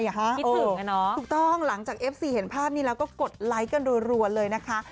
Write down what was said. คิดถึงถูกต้องหลังจากเอฟซีเห็นภาพนี้แล้วก็กดไลค์กันรัวเลยนะคะ